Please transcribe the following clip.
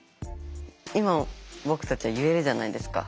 今僕たちは言えるじゃないですか。